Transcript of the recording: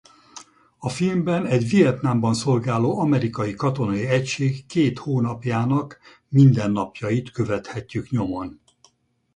A filmben egy Vietnámban szolgáló amerikai katonai egység két hónapjának mindennapjait követhetjük nyomon.